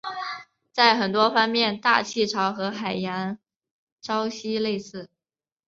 在很多方面大气潮和海洋潮汐类似。